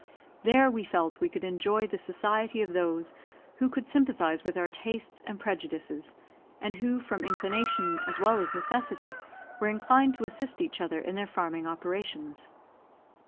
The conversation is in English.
There we felt we could enjoy the society of those who could sympathise with our tastes and prejudices, and who, from inclination as well as necessity, were inclined to assist each other in their farming operations.